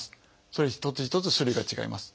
それぞれ一つ一つ種類が違います。